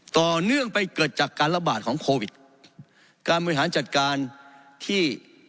ต่อเนื่องไปเกิดจากการระบาดของโควิดการบริหารจัดการที่